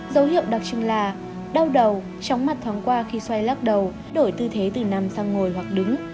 dấu hiệu đặc trưng là đau đầu chóng mặt thoáng qua khi xoay lắc đầu đổi tư thế từ nằm sang ngồi hoặc đứng